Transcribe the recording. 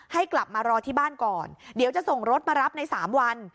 ให้กลับมารอที่บ้านก่อนเดี๋ยวจะส่งรถมารับใน๓วัน